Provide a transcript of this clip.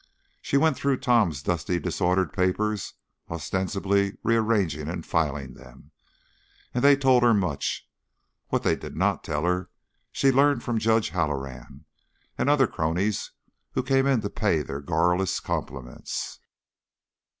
She went through Tom's dusty, disordered papers, ostensibly rearranging and filing them, and they told her much; what they did not tell her she learned from Judge Halloran and other old cronies who came in to pay their garrulous compliments.